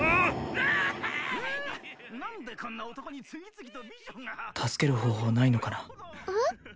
う何でこんな男に次々と美女が助ける方法ないのかなえっ？